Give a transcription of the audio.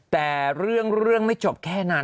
แต่เรื่องไม่จบแค่นั้น